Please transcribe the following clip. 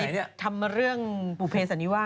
แต่วันนี้นางทำมาเรื่องบูเพศอันนี้ว่า